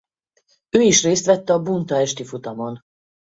Ő is részt vesz a Boonta-esti futamon.